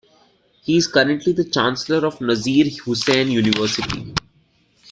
He is currently the Chancellor of Nazeer Hussain University.